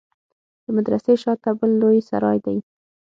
د مدرسې شا ته بل لوى سراى دى.